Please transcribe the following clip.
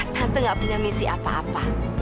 kita gak punya misi apa apa